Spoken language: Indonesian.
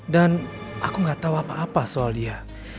dan aku gak tau apa apa soal dia